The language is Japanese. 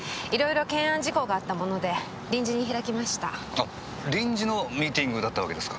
あ臨時のミーティングだったわけですか。